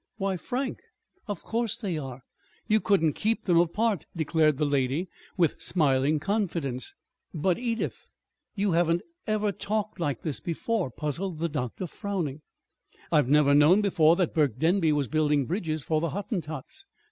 "Why, Frank, of course they are! You couldn't keep them apart," declared the lady, with smiling confidence. "But, Edith, you haven't ever talked like this before," puzzled the doctor, frowning. "I've never known before that Burke Denby was building bridges for the Hottentots."